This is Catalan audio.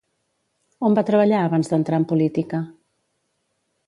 On va treballar abans d'entrar en política?